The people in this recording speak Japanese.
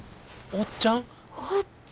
おっちゃん！